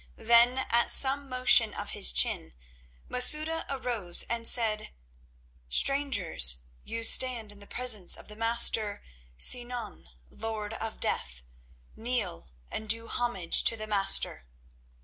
Then, at some motion of his chin, Masouda arose and said: "Strangers, you stand in the presence of the Master, Sinan, Lord of Death. Kneel, and do homage to the Master."